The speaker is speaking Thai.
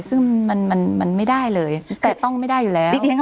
ซึ่งมันไม่ได้เลยแต่ต้องไม่ได้อยู่แล้ว